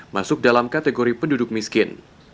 masuk dalam kategori penduduk miskin